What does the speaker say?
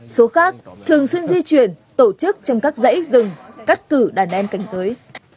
số khác thường xuyên di chuyển tổ chức trong các dãy rừng cắt cử đàn em cảnh giới